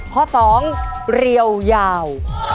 ข้อสองเรียวยาว